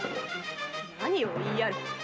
何をお言いやる。